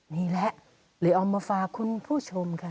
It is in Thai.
อ๋อนี่แหละเรียกออกมาฝากคุณผู้ชมค่ะ